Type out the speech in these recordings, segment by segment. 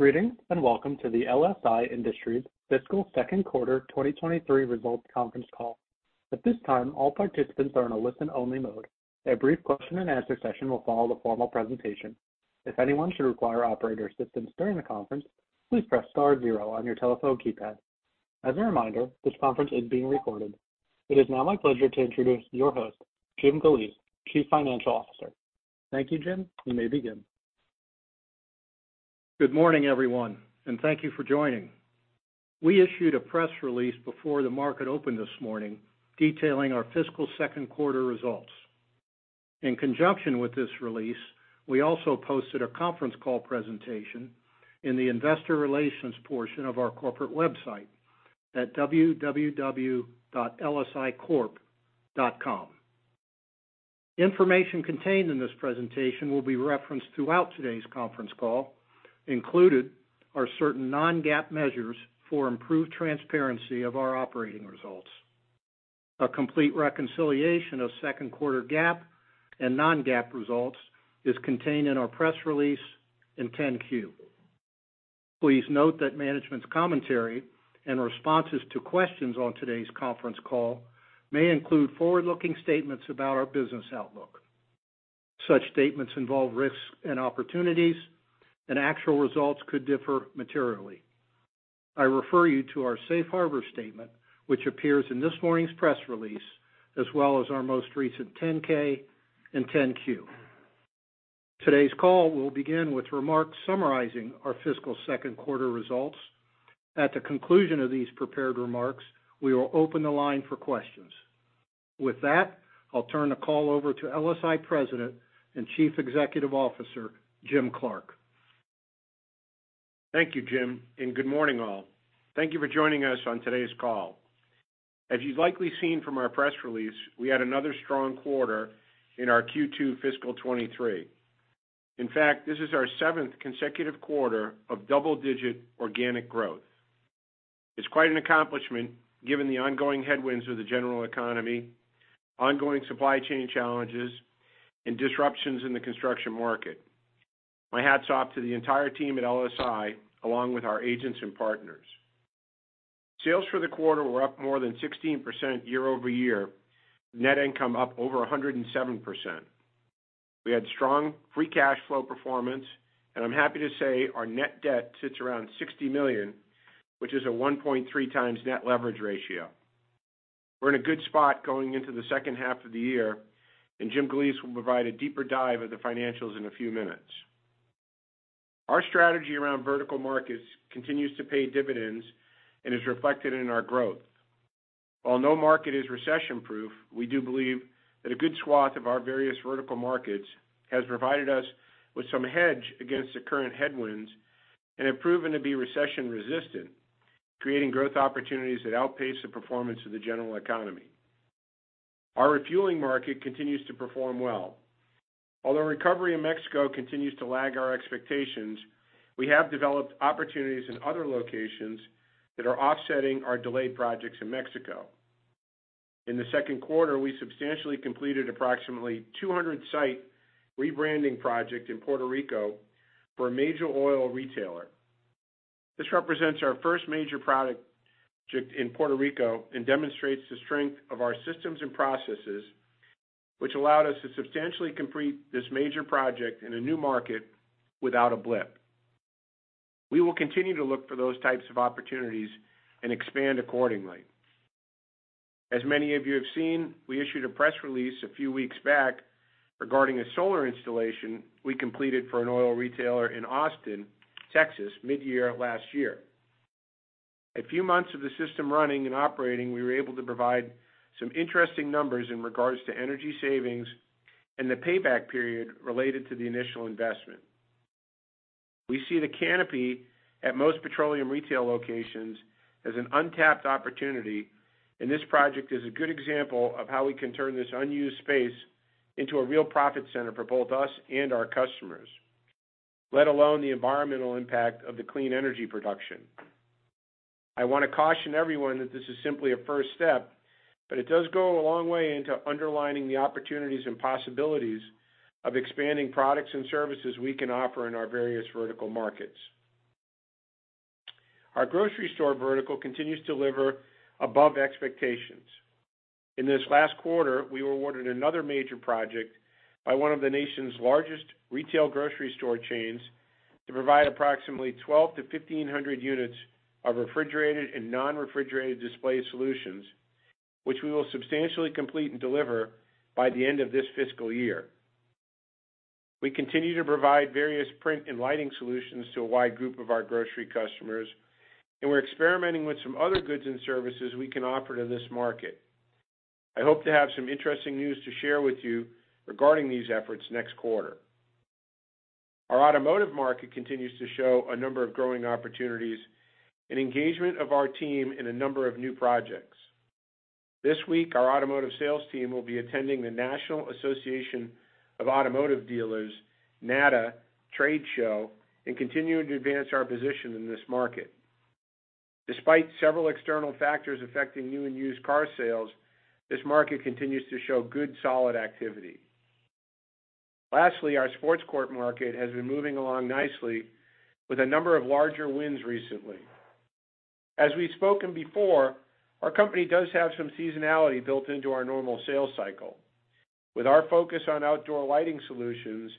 Greetings, welcome to the LSI Industries Fiscal Second Quarter 2023 Results Conference Call. At this time, all participants are in a listen-only mode. A brief question and answer session will follow the formal presentation. If anyone should require operator assistance during the conference, please press star zero on your telephone keypad. As a reminder, this conference is being recorded. It is now my pleasure to introduce your host, Jim Galeese, Chief Financial Officer. Thank you, Jim. You may begin. Good morning, everyone, and thank you for joining. We issued a press release before the market opened this morning detailing our fiscal second quarter results. In conjunction with this release, we also posted a conference call presentation in the investor relations portion of our corporate website at www.lsi-industries.com. Information contained in this presentation will be referenced throughout today's conference call. Included are certain non-GAAP measures for improved transparency of our operating results. A complete reconciliation of second quarter GAAP and non-GAAP results is contained in our press release in 10-Q. Please note that management's commentary and responses to questions on today's conference call may include forward-looking statements about our business outlook. Such statements involve risks and opportunities, and actual results could differ materially. I refer you to our safe harbor statement, which appears in this morning's press release, as well as our most recent 10-K and 10-Q. Today's call will begin with remarks summarizing our fiscal second quarter results. At the conclusion of these prepared remarks, we will open the line for questions. With that, I'll turn the call over to LSI President and Chief Executive Officer, Jim Clark. Thank you, Jim. Good morning, all. Thank you for joining us on today's call. As you've likely seen from our press release, we had another strong quarter in our Q2 fiscal 23. In fact, this is our seventh consecutive quarter of double-digit organic growth. It's quite an accomplishment given the ongoing headwinds of the general economy, ongoing supply chain challenges, and disruptions in the construction market. My hats off to the entire team at LSI, along with our agents and partners. Sales for the quarter were up more than 16% year-over-year, net income up over 107%. We had strong free cash flow performance, and I'm happy to say our net debt sits around $60 million, which is a 1.3x net leverage ratio. We're in a good spot going into the second half of the year. Jim Galeese will provide a deeper dive of the financials in a few minutes. Our strategy around vertical markets continues to pay dividends and is reflected in our growth. While no market is recession-proof, we do believe that a good swath of our various vertical markets has provided us with some hedge against the current headwinds and have proven to be recession-resistant, creating growth opportunities that outpace the performance of the general economy. Our refueling market continues to perform well. Recovery in Mexico continues to lag our expectations, we have developed opportunities in other locations that are offsetting our delayed projects in Mexico. In the second quarter, we substantially completed approximately 200 site rebranding project in Puerto Rico for a major oil retailer. This represents our first major project in Puerto Rico and demonstrates the strength of our systems and processes, which allowed us to substantially complete this major project in a new market without a blip. We will continue to look for those types of opportunities and expand accordingly. As many of you have seen, we issued a press release a few weeks back regarding a solar installation we completed for an oil retailer in Austin, Texas, mid-year last year. A few months of the system running and operating, we were able to provide some interesting numbers in regards to energy savings and the payback period related to the initial investment. We see the canopy at most petroleum retail locations as an untapped opportunity. This project is a good example of how we can turn this unused space into a real profit center for both us and our customers, let alone the environmental impact of the clean energy production. I wanna caution everyone that this is simply a first step. It does go a long way into underlining the opportunities and possibilities of expanding products and services we can offer in our various vertical markets. Our grocery store vertical continues to deliver above expectations. In this last quarter, we were awarded another major project by one of the nation's largest retail grocery store chains to provide approximately 1,200-1,500 units of refrigerated and non-refrigerated display solutions, which we will substantially complete and deliver by the end of this fiscal year. We continue to provide various print and lighting solutions to a wide group of our grocery customers. We're experimenting with some other goods and services we can offer to this market. I hope to have some interesting news to share with you regarding these efforts next quarter. Our automotive market continues to show a number of growing opportunities and engagement of our team in a number of new projects. This week, our automotive sales team will be attending the National Automobile Dealers Association, NADA Trade Show and continuing to advance our position in this market. Despite several external factors affecting new and used car sales, this market continues to show good solid activity. Lastly, our sports court market has been moving along nicely with a number of larger wins recently. As we've spoken before, our company does have some seasonality built into our normal sales cycle. With our focus on outdoor lighting solutions,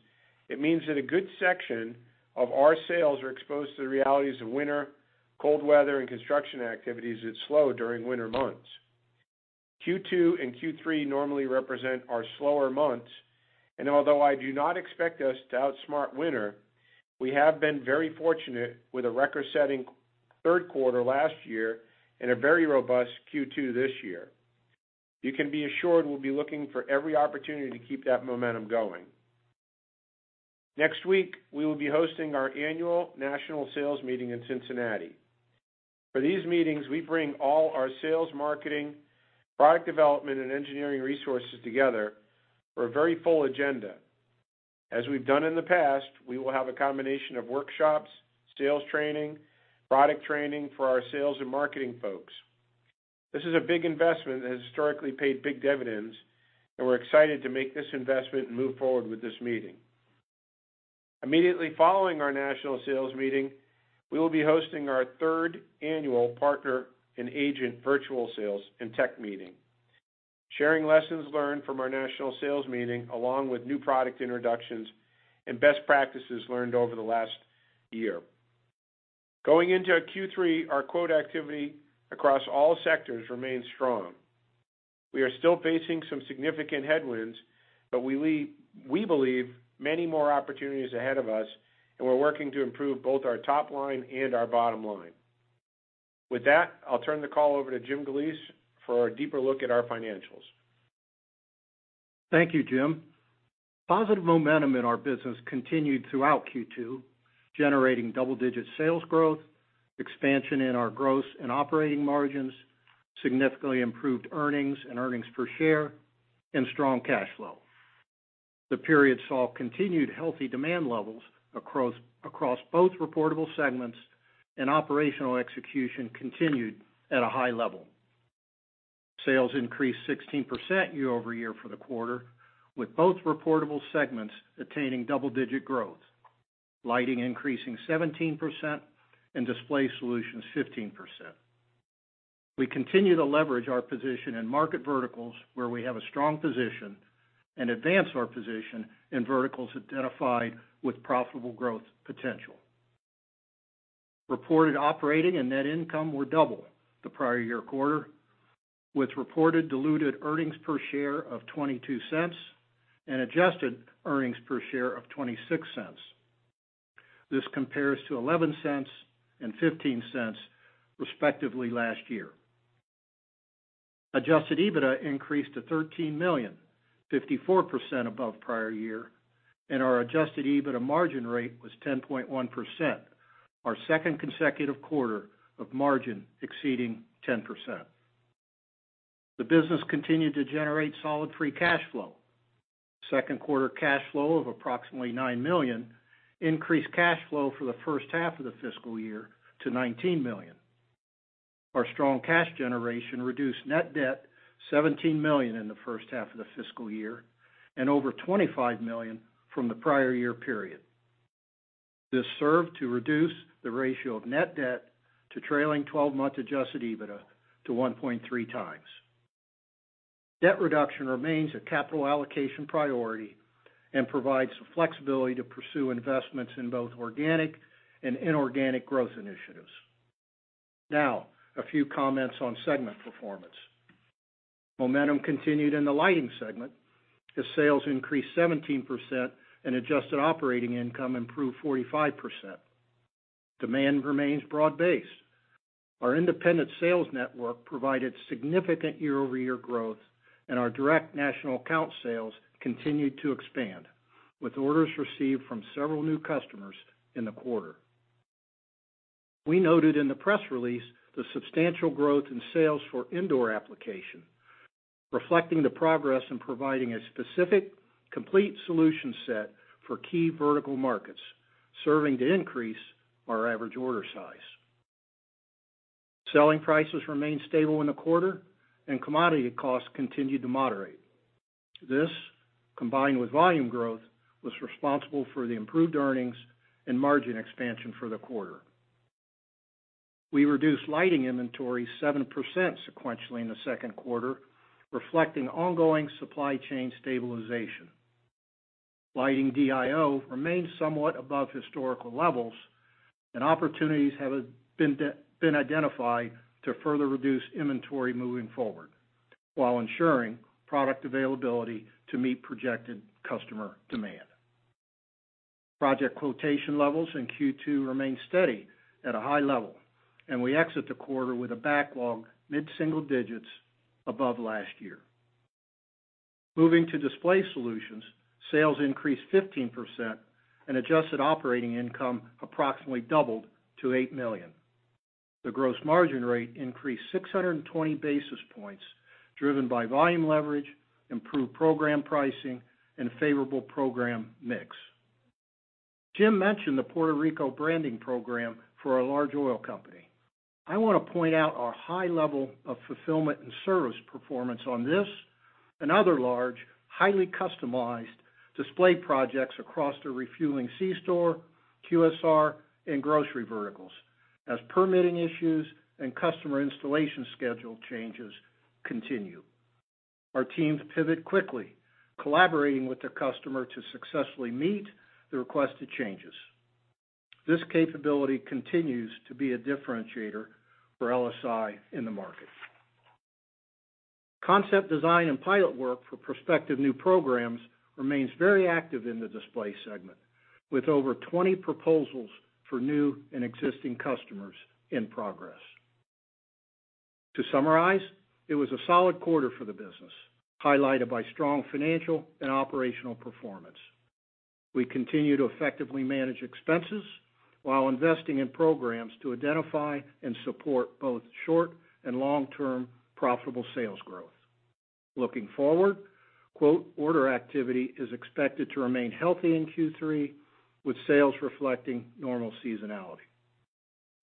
it means that a good section of our sales are exposed to the realities of winter, cold weather, and construction activities that slow during winter months. Q2 and Q3 normally represent our slower months, and although I do not expect us to outsmart winter, we have been very fortunate with a record-setting third quarter last year and a very robust Q2 this year. You can be assured we'll be looking for every opportunity to keep that momentum going. Next week, we will be hosting our annual national sales meeting in Cincinnati. For these meetings, we bring all our sales, marketing, product development, and engineering resources together for a very full agenda. As we've done in the past, we will have a combination of workshops, sales training, product training for our sales and marketing folks. This is a big investment that has historically paid big dividends. We're excited to make this investment and move forward with this meeting. Immediately following our national sales meeting, we will be hosting our 3rd annual partner and agent virtual sales and tech meeting, sharing lessons learned from our national sales meeting, along with new product introductions and best practices learned over the last year. Going into our Q3, our quote activity across all sectors remains strong. We are still facing some significant headwinds. We believe many more opportunities ahead of us, and we're working to improve both our top line and our bottom line. With that, I'll turn the call over to Jim Galeese for a deeper look at our financials. Thank you, Jim. Positive momentum in our business continued throughout Q2, generating double-digit sales growth, expansion in our gross and operating margins, significantly improved earnings and earnings per share, and strong cash flow. The period saw continued healthy demand levels across both reportable segments and operational execution continued at a high level. Sales increased 16% year-over-year for the quarter, with both reportable segments attaining double-digit growth, lighting increasing 17% and display solutions 15%. We continue to leverage our position in market verticals where we have a strong position and advance our position in verticals identified with profitable growth potential. Reported operating and net income were double the prior year quarter, with reported diluted earnings per share of $0.22 and adjusted earnings per share of $0.26. This compares to $0.11 and $0.15 respectively last year. Adjusted EBITDA increased to $13 million, 54% above prior year, and our Adjusted EBITDA margin rate was 10.1%, our second consecutive quarter of margin exceeding 10%. The business continued to generate solid free cash flow. Second quarter cash flow of approximately $9 million increased cash flow for the first half of the fiscal year to $19 million. Our strong cash generation reduced net debt $17 million in the first half of the fiscal year and over $25 million from the prior year period. This served to reduce the ratio of net debt to trailing twelve-month Adjusted EBITDA to 1.3 times. Debt reduction remains a capital allocation priority and provides the flexibility to pursue investments in both organic and inorganic growth initiatives. Now, a few comments on segment performance. Momentum continued in the lighting segment as sales increased 17% and adjusted operating income improved 45%. Demand remains broad-based. Our independent sales network provided significant year-over-year growth, and our direct national account sales continued to expand, with orders received from several new customers in the quarter. We noted in the press release the substantial growth in sales for indoor application, reflecting the progress in providing a specific, complete solution set for key vertical markets, serving to increase our average order size. Selling prices remained stable in the quarter, and commodity costs continued to moderate. This, combined with volume growth, was responsible for the improved earnings and margin expansion for the quarter. We reduced lighting inventory 7% sequentially in the second quarter, reflecting ongoing supply chain stabilization. Lighting DIO remains somewhat above historical levels, and opportunities have been identified to further reduce inventory moving forward while ensuring product availability to meet projected customer demand. Project quotation levels in Q2 remain steady at a high level, and we exit the quarter with a backlog mid-single digits above last year. Moving to display solutions, sales increased 15% and adjusted operating income approximately doubled to $8 million. The gross margin rate increased 620 basis points driven by volume leverage, improved program pricing, and favorable program mix. Jim mentioned the Puerto Rico branding program for a large oil company. I want to point out our high level of fulfillment and service performance on this and other large, highly customized display projects across the refueling C-store, QSR, and grocery verticals, as permitting issues and customer installation schedule changes continue. Our teams pivot quickly, collaborating with the customer to successfully meet the requested changes. This capability continues to be a differentiator for LSI in the market. Concept design and pilot work for prospective new programs remains very active in the display segment, with over 20 proposals for new and existing customers in progress. To summarize, it was a solid quarter for the business, highlighted by strong financial and operational performance. We continue to effectively manage expenses while investing in programs to identify and support both short and long-term profitable sales growth. Looking forward, quote order activity is expected to remain healthy in Q3, with sales reflecting normal seasonality.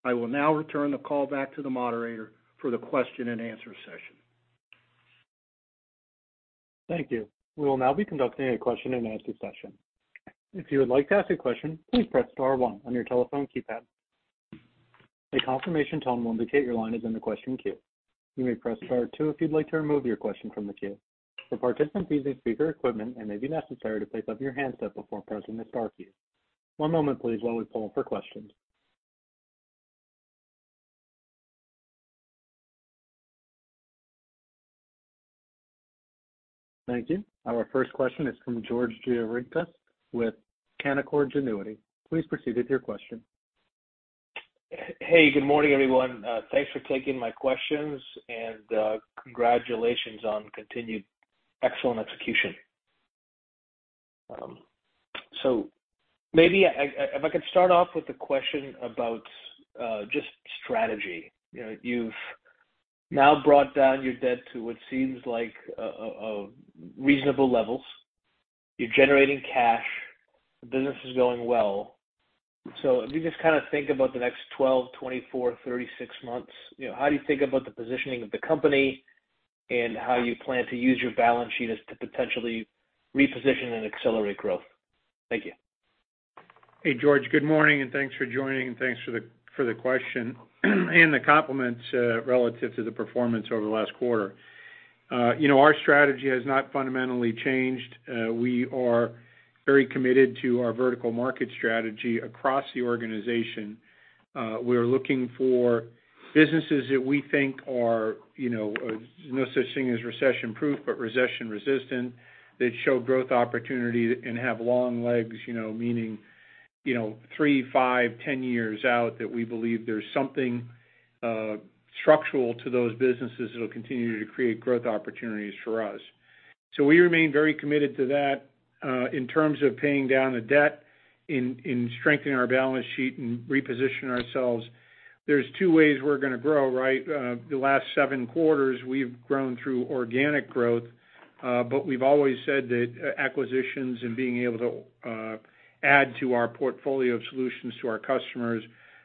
I will now return the call back to the moderator for the question and answer session. Thank you. We will now be conducting a question-and-answer session. If you would like to ask a question, please press star one on your telephone keypad. A confirmation tone will indicate your line is in the question queue. You may press star two if you'd like to remove your question from the queue. For participants using speaker equipment, it may be necessary to place up your handset before pressing the star key. One moment please while we poll for questions. Thank you. Our first question is from George Gianarikas with Canaccord Genuity. Please proceed with your question. Hey, good morning, everyone. Thanks for taking my questions and congratulations on continued excellent execution. Maybe if I could start off with a question about just strategy. You know, you've now brought down your debt to what seems like reasonable levels. You're generating cash, the business is going well. As you just kind of think about the next 12, 24, 36 months, you know, how do you think about the positioning of the company and how you plan to use your balance sheet as to potentially reposition and accelerate growth? Thank you. Hey, George. Good morning, and thanks for joining, and thanks for the, for the question and the compliments, relative to the performance over the last quarter. You know, our strategy has not fundamentally changed. We are very committed to our vertical market strategy across the organization. We're looking for businesses that we think are, you know, no such thing as recession-proof, but recession-resistant, that show growth opportunity and have long legs, you know, meaning, you know, 3, 5, 10 years out, that we believe there's something structural to those businesses that'll continue to create growth opportunities for us. We remain very committed to that, in terms of paying down the debt, in strengthening our balance sheet and repositioning ourselves. There's two ways we're gonna grow, right? The last 7 quarters we've grown through organic growth, but we've always said that acquisitions and being able to add to our portfolio of solutions to our customers,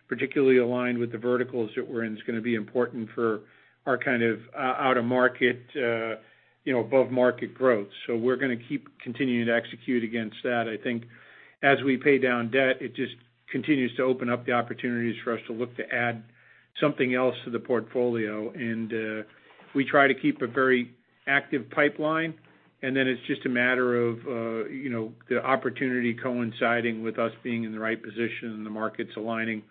particularly aligned with the verticals that we're in, is gonna be important for our kind of out of market, you know, above market growth. We're gonna keep continuing to execute against that. I think as we pay down debt, it just continues to open up the opportunities for us to look to add something else to the portfolio. We try to keep a very active pipeline, then it's just a matter of, you know, the opportunity coinciding with us being in the right position and the markets aligning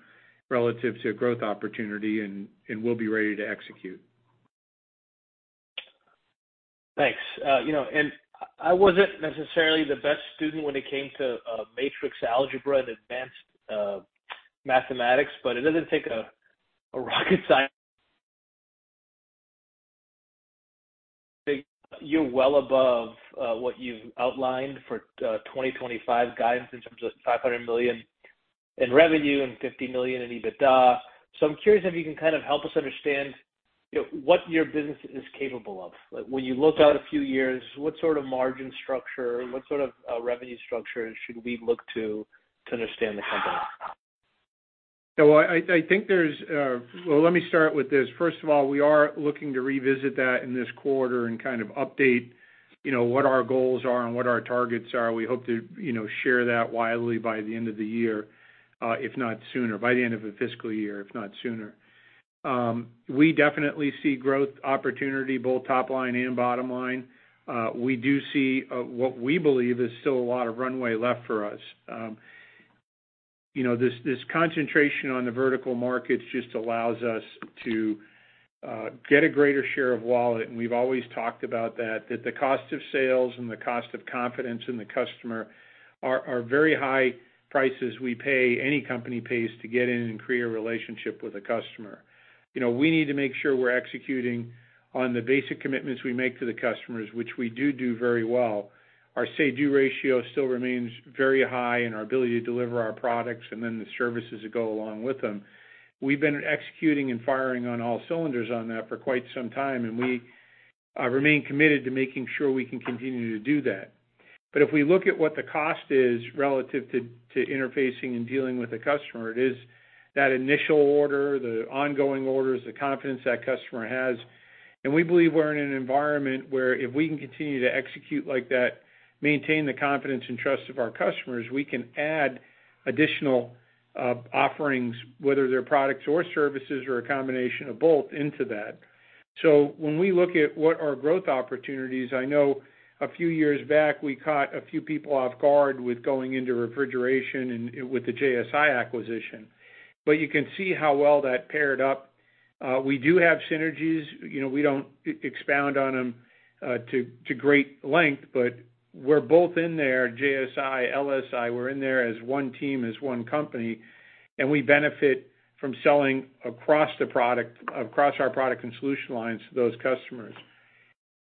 relative to growth opportunity, and we'll be ready to execute. Thanks. you know, and I wasn't necessarily the best student when it came to matrix algebra and advanced mathematics, but it doesn't take a rocket You're well above what you've outlined for 2025 guidance in terms of $500 million in revenue and $50 million in EBITDA. I'm curious if you can kind of help us understand, you know, what your business is capable of. Like, when you look out a few years, what sort of margin structure, what sort of revenue structure should we look to to understand the company? I think there's. Let me start with this. First of all, we are looking to revisit that in this quarter and kind of update, you know, what our goals are and what our targets are. We hope to, you know, share that widely by the end of the year, if not sooner. By the end of the fiscal year, if not sooner. We definitely see growth opportunity, both top line and bottom line. We do see what we believe is still a lot of runway left for us. You know, this concentration on the vertical markets just allows us to get a greater share of wallet, and we've always talked about that the cost of sales and the cost of confidence in the customer are very high prices we pay, any company pays, to get in and create a relationship with a customer. You know, we need to make sure we're executing on the basic commitments we make to the customers, which we do do very well. Our Say-Do Ratio still remains very high in our ability to deliver our products and then the services that go along with them. We've been executing and firing on all cylinders on that for quite some time, and we remain committed to making sure we can continue to do that. If we look at what the cost is relative to interfacing and dealing with the customer, it is that initial order, the ongoing orders, the confidence that customer has. We believe we're in an environment where if we can continue to execute like that, maintain the confidence and trust of our customers, we can add additional offerings, whether they're products or services or a combination of both into that. When we look at what our growth opportunities, I know a few years back, we caught a few people off guard with going into refrigeration and with the JSI acquisition. You can see how well that paired up. We do have synergies. You know, we don't expound on them to great length, but we're both in there, JSI, LSI, we're in there as one team, as one company, and we benefit from selling across our product and solution lines to those customers.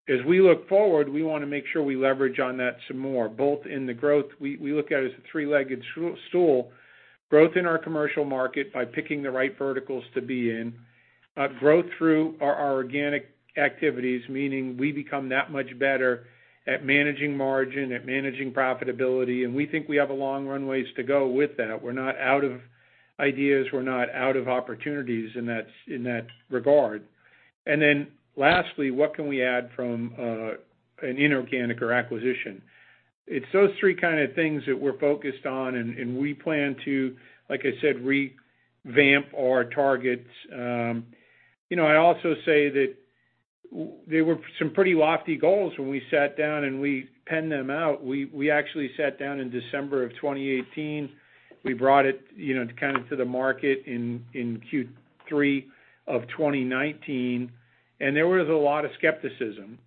As we look forward, we wanna make sure we leverage on that some more, both in the growth. We look at it as a three-legged stool, growth in our commercial market by picking the right verticals to be in, growth through our organic activities, meaning we become that much better at managing margin, at managing profitability, and we think we have a long run ways to go with that. We're not out of ideas, we're not out of opportunities in that regard. Lastly, what can we add from an inorganic or acquisition? It's those three kind of things that we're focused on, and we plan to, like I said, revamp our targets. you know, I also say that they were some pretty lofty goals when we sat down and we penned them out. We actually sat down in December of 2018. We brought it, you know, to kind of to the market in Q3 of 2019. There was a lot of skepticism.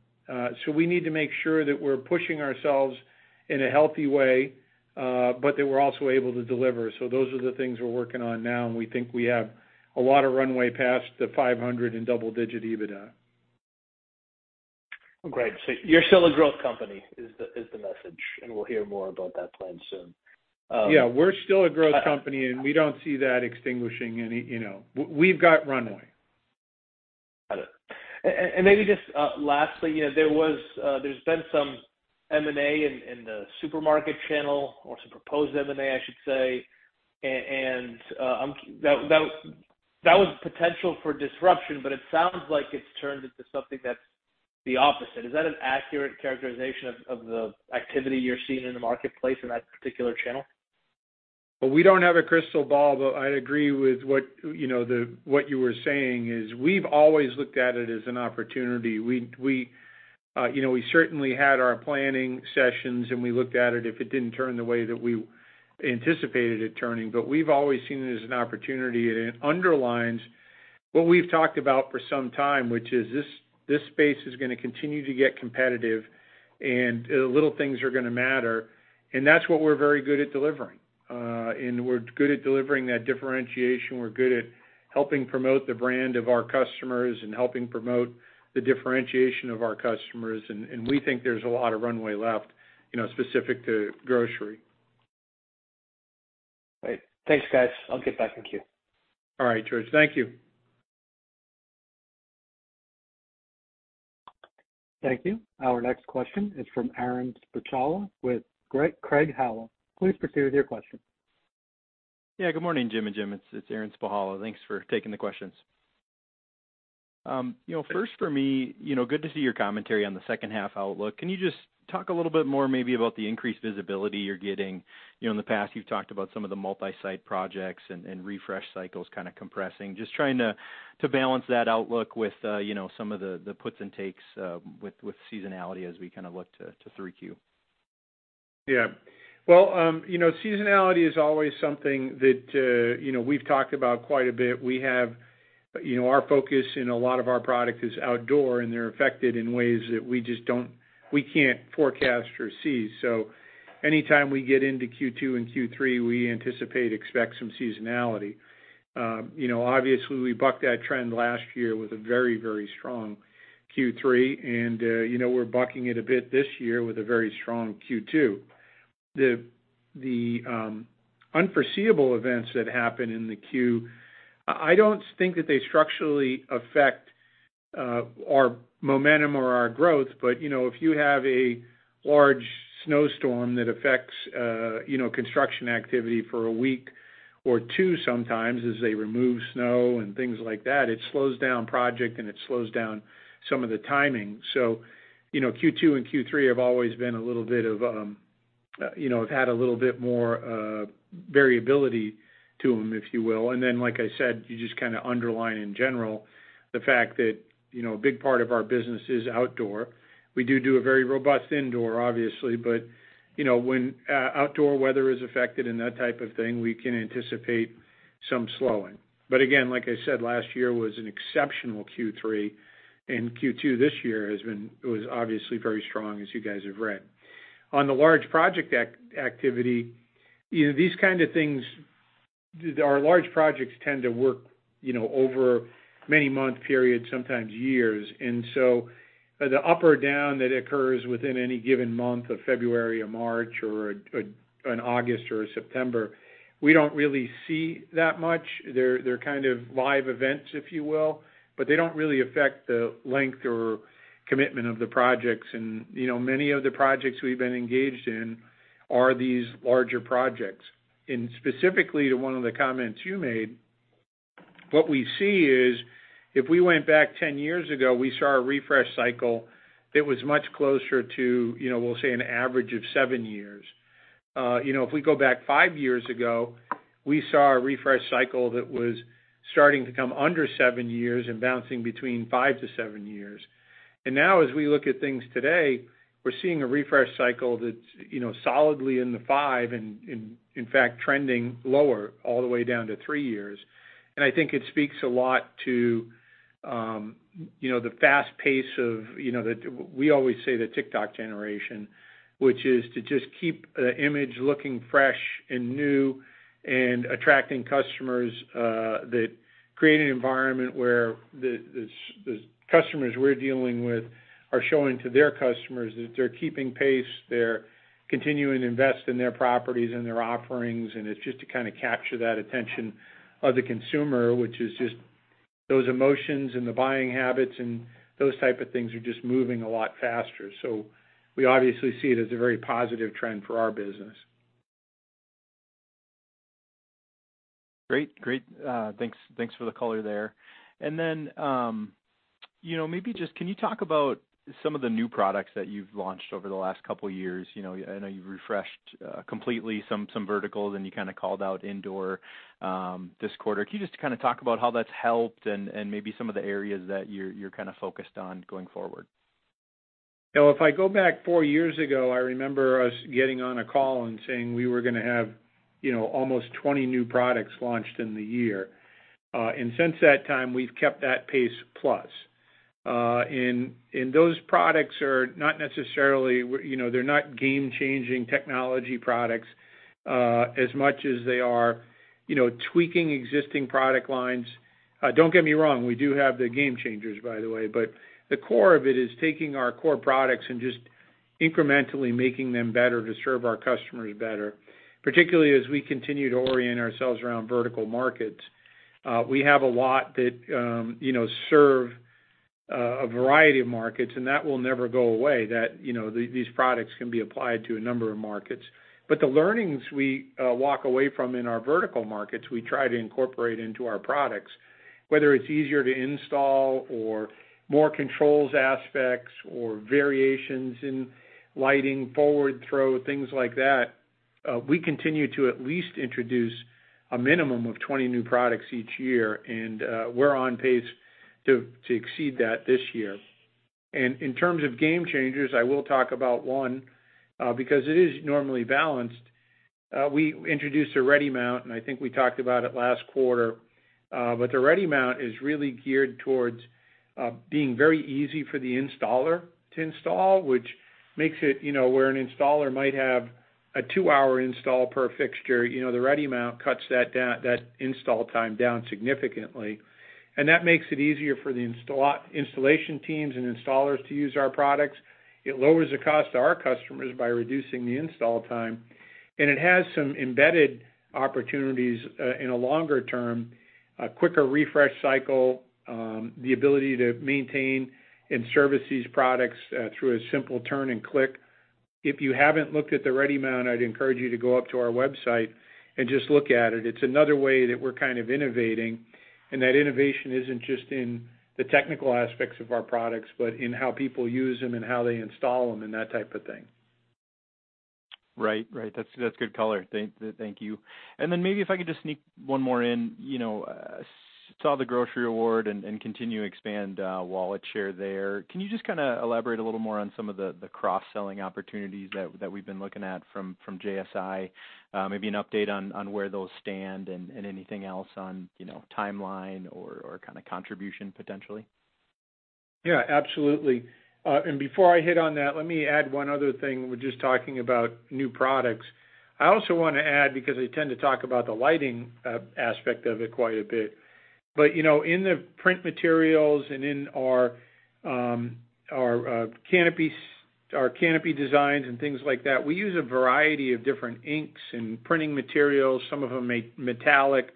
We need to make sure that we're pushing ourselves in a healthy way, but that we're also able to deliver. Those are the things we're working on now, and we think we have a lot of runway past the 500 in double-digit EBITDA. Great. You're still a growth company, is the message, and we'll hear more about that plan soon. Yeah. We're still a growth company- I- We don't see that extinguishing any, you know. We've got runway. Got it. Maybe just lastly, you know, there was there's been some M&A in the supermarket channel or some proposed M&A, I should say. I'm cur-- That was potential for disruption, but it sounds like it's turned into something that's the opposite. Is that an accurate characterization of the activity you're seeing in the marketplace in that particular channel? We don't have a crystal ball, but I'd agree with what, you know, the, what you were saying, is we've always looked at it as an opportunity. We, you know, we certainly had our planning sessions, and we looked at it if it didn't turn the way that we anticipated it turning. We've always seen it as an opportunity, and it underlines what we've talked about for some time, which is this space is gonna continue to get competitive and the little things are gonna matter, and that's what we're very good at delivering. We're good at delivering that differentiation. We're good at helping promote the brand of our customers and helping promote the differentiation of our customers, and we think there's a lot of runway left, you know, specific to grocery. Great. Thanks, guys. I'll get back in queue. All right, George. Thank you. Thank you. Our next question is from Aaron Spychalla with Craig-Hallum. Please proceed with your question. Good morning, Jim and Jim. It's Aaron Spychalla. Thanks for taking the questions. You know, first for me, you know, good to see your commentary on the second half outlook. Can you just talk a little bit more maybe about the increased visibility you're getting? You know, in the past, you've talked about some of the multi-site projects and refresh cycles kind of compressing. Just trying to balance that outlook with, you know, some of the puts and takes, with seasonality as we kind of look to three Q. Well, you know, seasonality is always something that, you know, we've talked about quite a bit. We have, you know, our focus in a lot of our product is outdoor, and they're affected in ways that we just don't we can't forecast or see. Anytime we get into Q2 and Q3, we anticipate, expect some seasonality. you know, obviously, we bucked that trend last year with a very strong Q3. you know, we're bucking it a bit this year with a very strong Q2. The unforeseeable events that happen in the Q, I don't think that they structurally affect our momentum or our growth, but, you know, if you have a large snowstorm that affects you know, construction activity for a week or two sometimes as they remove snow and things like that, it slows down project and it slows down some of the timing. You know, Q2 and Q3 have always been a little bit of, you know, have had a little bit more variability to them, if you will. Like I said, you just kinda underline in general the fact that, you know, a big part of our business is outdoor. We do a very robust indoor, obviously, but, you know, when outdoor weather is affected and that type of thing, we can anticipate some slowing. Again, like I said, last year was an exceptional Q3, and Q2 this year was obviously very strong, as you guys have read. On the large project activity, you know, our large projects tend to work, you know, over many month periods, sometimes years. The up or down that occurs within any given month of February or March or an August or September, we don't really see that much. They're kind of live events, if you will, but they don't really affect the length or commitment of the projects. You know, many of the projects we've been engaged in are these larger projects. Specifically to one of the comments you made, what we see is if we went back 10 years ago, we saw a refresh cycle that was much closer to, you know, we'll say an average of 7 years. You know, if we go back 5 years ago, we saw a refresh cycle that was starting to come under 7 years and bouncing between 5-7 years. Now as we look at things today, we're seeing a refresh cycle that's, you know, solidly in the 5 and, in fact trending lower all the way down to 3 years. I think it speaks a lot to, you know, the fast pace of, you know, we always say the TikTok generation, which is to just keep the image looking fresh and new and attracting customers, that create an environment where the customers we're dealing with are showing to their customers that they're keeping pace, they're continuing to invest in their properties and their offerings, and it's just to kind of capture that attention of the consumer, which is just those emotions and the buying habits and those type of things are just moving a lot faster. We obviously see it as a very positive trend for our business. Great. Thanks for the color there. You know, maybe just can you talk about some of the new products that you've launched over the last couple of years? You know, I know you've refreshed completely some verticals, and you kind of called out indoor this quarter. Can you just kind of talk about how that's helped and maybe some of the areas that you're kind of focused on going forward? You know, if I go back four years ago, I remember us getting on a call and saying we were gonna have, you know, almost 20 new products launched in the year. Since that time, we've kept that pace plus. Those products are not necessarily, you know, they're not game-changing technology products, as much as they are, you know, tweaking existing product lines. Don't get me wrong, we do have the game changers, by the way, but the core of it is taking our core products and just incrementally making them better to serve our customers better, particularly as we continue to orient ourselves around vertical markets. We have a lot that, you know, serve a variety of markets, that will never go away, that, you know, these products can be applied to a number of markets. The learnings we walk away from in our vertical markets, we try to incorporate into our products, whether it's easier to install, or more controls aspects, or variations in lighting, forward throw, things like that. We continue to at least introduce a minimum of 20 new products each year, we're on pace to exceed that this year. In terms of game changers, I will talk about 1 because it is normally balanced. We introduced the ReadyMount, and I think we talked about it last quarter. The ReadyMount is really geared towards being very easy for the installer to install, which makes it, you know, where an installer might have a 2-hour install per fixture, you know, the ReadyMount cuts that install time down significantly. That makes it easier for the installation teams and installers to use our products. It lowers the cost to our customers by reducing the install time. It has some embedded opportunities, in a longer term, a quicker refresh cycle, the ability to maintain and service these products, through a simple turn and click. If you haven't looked at the ReadyMount, I'd encourage you to go up to our website and just look at it. It's another way that we're kind of innovating, and that innovation isn't just in the technical aspects of our products, but in how people use them and how they install them and that type of thing. Right. Right. That's good color. Thank you. Then maybe if I could just sneak one more in. You know, saw the grocery award and continue to expand wallet share there. Can you just kinda elaborate a little more on some of the cross-selling opportunities that we've been looking at from JSI, maybe an update on where those stand and anything else on, you know, timeline or kind of contribution potentially? Yeah, absolutely. Before I hit on that, let me add one other thing. We're just talking about new products. I also want to add, because I tend to talk about the lighting aspect of it quite a bit, but, you know, in the print materials and in our canopy designs and things like that, we use a variety of different inks and printing materials. Some of them are metallic,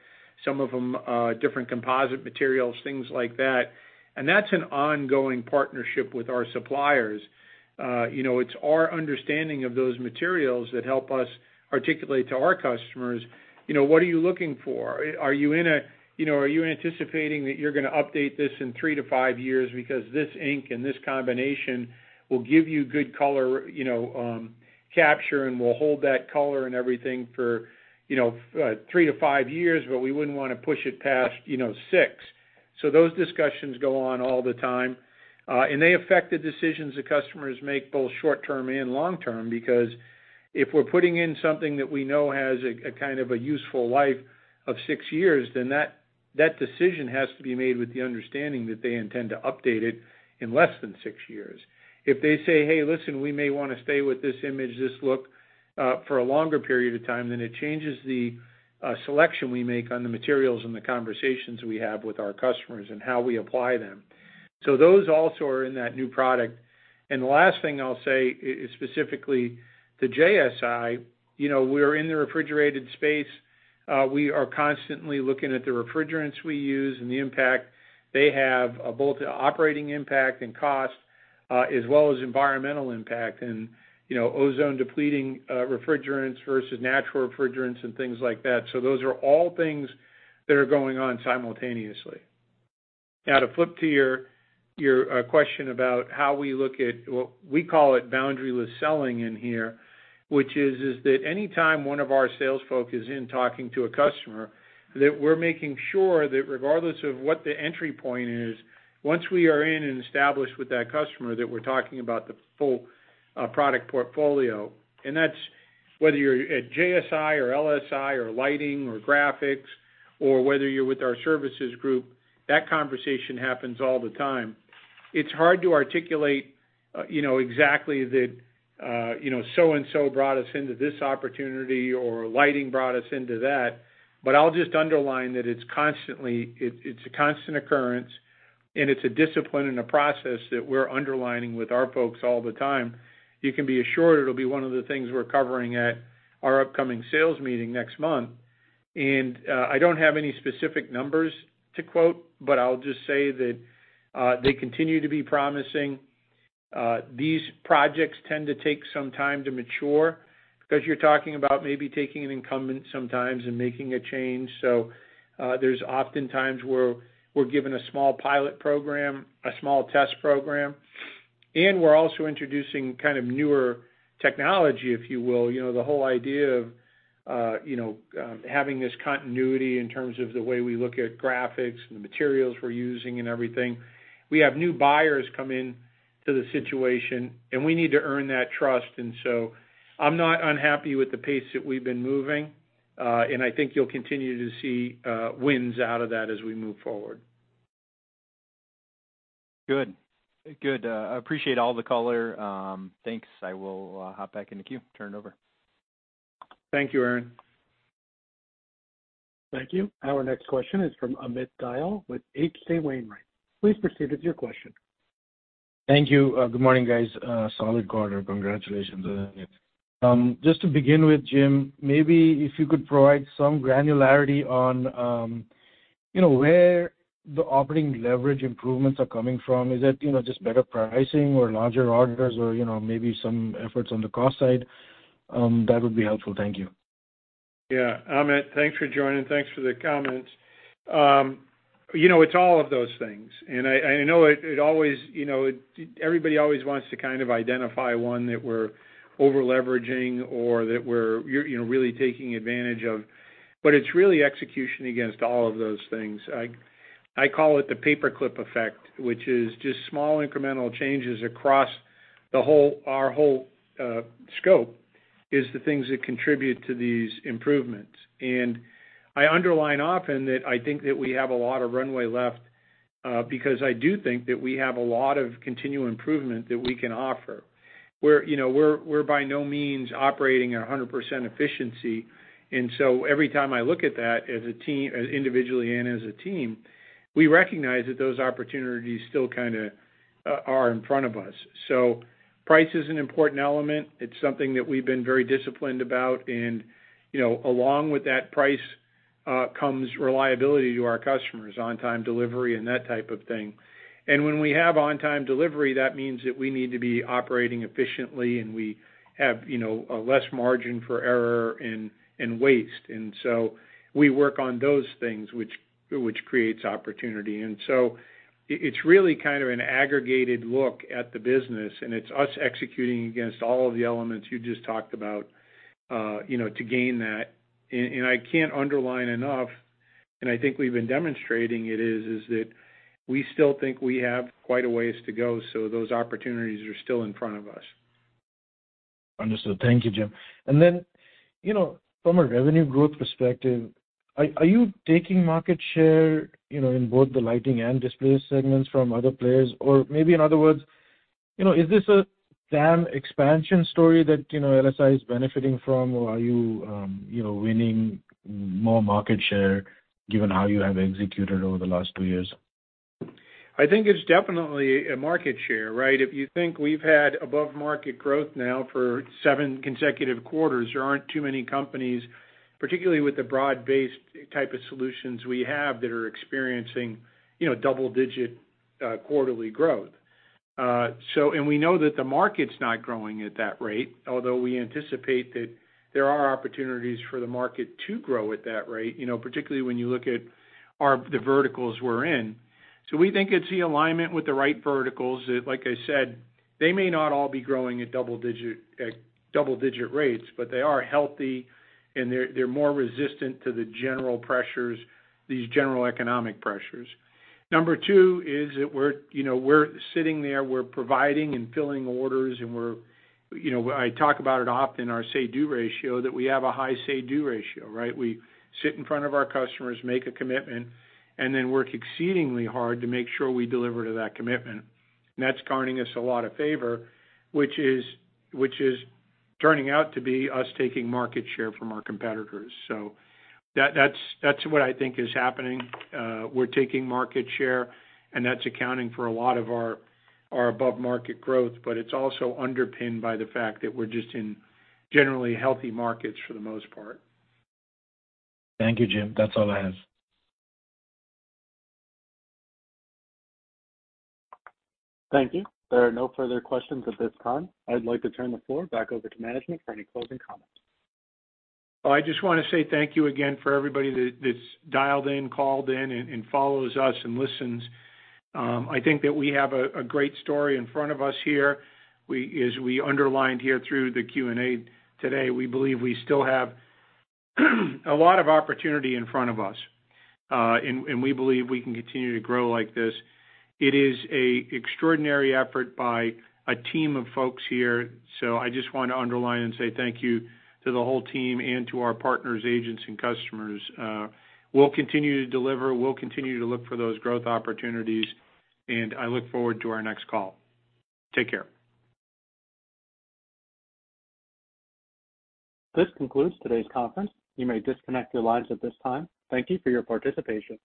some of them are different composite materials, things like that. That's an ongoing partnership with our suppliers. You know, it's our understanding of those materials that help us articulate to our customers, you know, what are you looking for? Are you in a... You know, are you anticipating that you're gonna update this in 3 to 5 years because this ink and this combination will give you good color, you know, capture and will hold that color and everything for, you know, 3 to 5 years, but we wouldn't want to push it past, you know, 6. Those discussions go on all the time. They affect the decisions the customers make, both short term and long term, because if we're putting in something that we know has a kind of a useful life of 6 years, then That decision has to be made with the understanding that they intend to update it in less than 6 years. If they say, "Hey, listen, we may wanna stay with this image, this look, for a longer period of time," then it changes the selection we make on the materials and the conversations we have with our customers and how we apply them. Those also are in that new product. The last thing I'll say is specifically the JSI. You know, we're in the refrigerated space. We are constantly looking at the refrigerants we use and the impact they have, both the operating impact and cost, as well as environmental impact and, you know, ozone-depleting refrigerants versus natural refrigerants and things like that. Those are all things that are going on simultaneously. Now to flip to your question about how we look at what we call it boundaryless selling in here, which is that any time one of our sales folk is in talking to a customer, that we're making sure that regardless of what the entry point is, once we are in and established with that customer, that we're talking about the full product portfolio. That's whether you're at JSI or LSI or lighting or graphics or whether you're with our services group, that conversation happens all the time. It's hard to articulate, you know, exactly that, you know, so and so brought us into this opportunity or lighting brought us into that, I'll just underline that it's constantly, it's a constant occurrence, and it's a discipline and a process that we're underlining with our folks all the time. You can be assured it'll be one of the things we're covering at our upcoming sales meeting next month. I don't have any specific numbers to quote, but I'll just say that they continue to be promising. These projects tend to take some time to mature 'cause you're talking about maybe taking an incumbent sometimes and making a change. There's often times where we're given a small pilot program, a small test program, and we're also introducing kind of newer technology, if you will. You know, the whole idea of, you know, having this continuity in terms of the way we look at graphics and the materials we're using and everything. We have new buyers come in to the situation, and we need to earn that trust. I'm not unhappy with the pace that we've been moving, and I think you'll continue to see wins out of that as we move forward. Good. I appreciate all the color. Thanks. I will hop back in the queue. Turn it over. Thank you, Aaron. Thank you. Our next question is from Amit Goyal with H.C. Wainwright. Please proceed with your question. Thank you. Good morning, guys. Solid quarter. Congratulations on it. Just to begin with, Jim, maybe if you could provide some granularity on, you know, where the operating leverage improvements are coming from. Is it, you know, just better pricing or larger orders or, you know, maybe some efforts on the cost side? That would be helpful. Thank you. Yeah. Amit, thanks for joining. Thanks for the comments. you know, it's all of those things. I know it always, you know, Everybody always wants to kind of identify one that we're over-leveraging or that we're, you know, really taking advantage of, but it's really execution against all of those things. I call it the paperclip effect, which is just small incremental changes across our whole scope is the things that contribute to these improvements. I underline often that I think that we have a lot of runway left, because I do think that we have a lot of continued improvement that we can offer. We're, you know, we're by no means operating at 100% efficiency. Every time I look at that as a team, individually and as a team, we recognize that those opportunities still kinda are in front of us. Price is an important element. It's something that we've been very disciplined about. You know, along with that price comes reliability to our customers, on-time delivery and that type of thing. When we have on-time delivery, that means that we need to be operating efficiently, and we have, you know, a less margin for error and waste. We work on those things which creates opportunity. It's really kind of an aggregated look at the business, and it's us executing against all of the elements you just talked about, you know, to gain that. I can't underline enough, and I think we've been demonstrating it, is that we still think we have quite a ways to go. Those opportunities are still in front of us. Understood. Thank you, Jim. Then, you know, from a revenue growth perspective, are you taking market share, you know, in both the lighting and display segments from other players? Maybe in other words, you know, is this a TAM expansion story that, you know, LSI is benefiting from, or are you know, winning more market share given how you have executed over the last two years? I think it's definitely a market share, right? If you think we've had above market growth now for 7 consecutive quarters, there aren't too many companies, particularly with the broad-based type of solutions we have, that are experiencing, you know, double-digit quarterly growth. We know that the market's not growing at that rate, although we anticipate that there are opportunities for the market to grow at that rate, you know, particularly when you look at our, the verticals we're in. We think it's the alignment with the right verticals. Like I said, they may not all be growing at double-digit rates, but they are healthy and they're more resistant to the general pressures, these general economic pressures. Number 2 is that we're, you know, we're sitting there, we're providing and filling orders, and we're, you know. I talk about it often, our Say-Do Ratio, that we have a high Say-Do Ratio, right? We sit in front of our customers, make a commitment, work exceedingly hard to make sure we deliver to that commitment. That's earning us a lot of favor, which is turning out to be us taking market share from our competitors. That's what I think is happening. We're taking market share, that's accounting for a lot of our above market growth, it's also underpinned by the fact that we're just in generally healthy markets for the most part. Thank you, Jim. That's all I have. Thank you. There are no further questions at this time. I'd like to turn the floor back over to management for any closing comments. I just wanna say thank you again for everybody that's dialed in, called in, and follows us and listens. I think that we have a great story in front of us here. We, as we underlined here through the Q&A today, we believe we still have a lot of opportunity in front of us. We believe we can continue to grow like this. It is a extraordinary effort by a team of folks here. I just want to underline and say thank you to the whole team and to our partners, agents, and customers. We'll continue to deliver. We'll continue to look for those growth opportunities, and I look forward to our next call. Take care. This concludes today's conference. You may disconnect your lines at this time. Thank you for your participation.